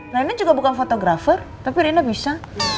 rina juga bukan fotografer tapi rina bisa